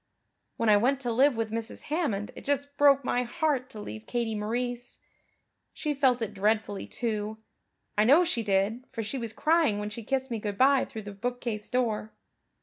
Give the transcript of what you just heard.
When I went to live with Mrs. Hammond it just broke my heart to leave Katie Maurice. She felt it dreadfully, too, I know she did, for she was crying when she kissed me good bye through the bookcase door.